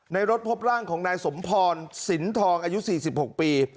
ในรถพบร่างของนายสมพรสินทองอายุสี่สิบหกปี